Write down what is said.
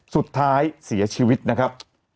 สุดท้ายเสียชีวิตนะครับ